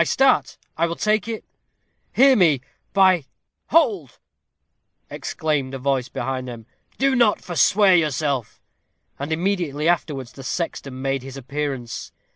"I start? I will take it. Hear me by " "Hold!" exclaimed a voice behind them. "Do not forswear yourself." And immediately afterwards the sexton made his appearance.